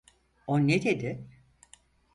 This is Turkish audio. O ne dedi?